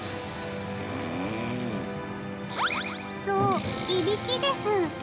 そういびきです。